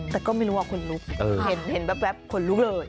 แต่ก็ไม่รู้ว่าคนลุกเห็นแว๊บขนลุกเลย